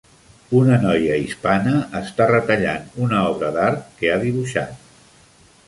Una noia hispana està retallant una obra d'art que ha dibuixat.